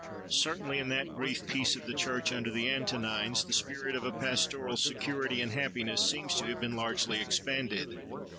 Certainly, in that brief "Peace of the church" under the Antonines, the spirit of a pastoral security and happiness seems to have been largely expanded.